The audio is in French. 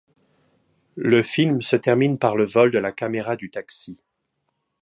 Le film se termine par le vol de la caméra du taxi.